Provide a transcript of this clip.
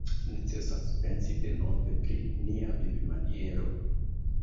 Necesas pensi denove pri nia vivmaniero.